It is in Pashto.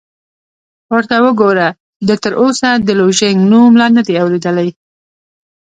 ورته وګوره، ده تراوسه د لوژینګ نوم لا نه دی اورېدلی!